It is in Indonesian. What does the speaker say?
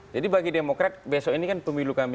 jadi bagi demokrat besok ini kan pemilu kami